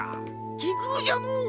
きぐうじゃのう。